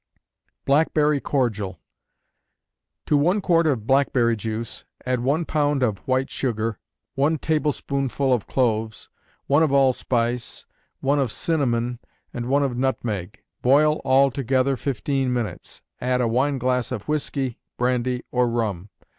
Blackberry Cordial. To one quart of blackberry juice, add one pound of white sugar, one tablespoonful of cloves, one of allspice, one of cinnamon, and one of nutmeg. Boil all together fifteen minutes; add a wineglass of whiskey, brandy or rum.